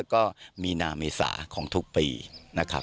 ก็มีนาเมษาของทุกปีนะครับ